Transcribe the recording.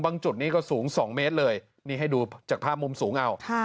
จุดนี้ก็สูง๒เมตรเลยนี่ให้ดูจากภาพมุมสูงเอา